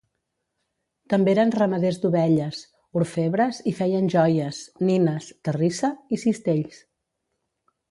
També eren ramaders d'ovelles, orfebres i feien joies, nines, terrissa i cistells.